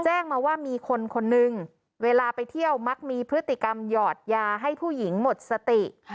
แจ้งมาว่ามีคนคนนึงเวลาไปเที่ยวมักมีพฤติกรรมหยอดยาให้ผู้หญิงหมดสติ